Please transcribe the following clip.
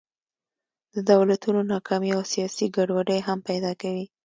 د دولتونو ناکامي او سیاسي ګډوډۍ هم پیدا کوي.